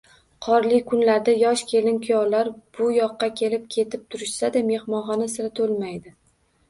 Qorli kunlarda yosh kelin-kuyovlar bu yoqqa kelib-ketib turishsada, mehmonxona sira to`lmaydi